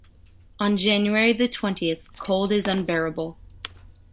On January the twentieth cold is unbearable.